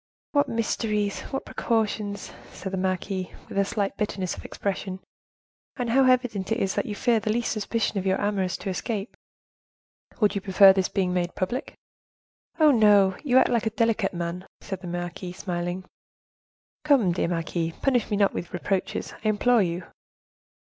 "What mysteries! what precautions!" said the marquise, with a slight bitterness of expression; "and how evident it is that you fear the least suspicion of your amours to escape." "Would you prefer their being made public?" "Oh, no; you act like a delicate man," said the marquise, smiling. "Come, dear marquise, punish me not with reproaches, I implore you."